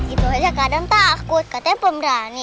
itu aja kadang takut katanya pemberani